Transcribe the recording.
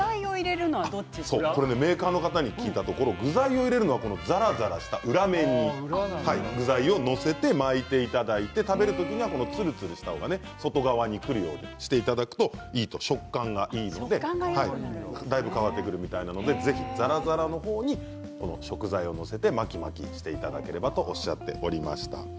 メーカーさんに聞いたところざらざらしている裏面に具材を載せて巻いていただいて食べる時がつるつるした方が外側にきた方が食感がいいのでだいぶ変わってくるみたいなのでぜひざらざらの方に食材を載せて巻き巻きしていただければとおっしゃっていました。